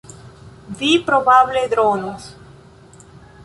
Vi probable dronos.